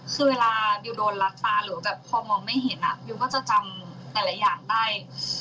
คือเวลาดิวโดนรัดตาหรือแบบพอมองไม่เห็นบิวก็จะจำแต่ละอย่างได้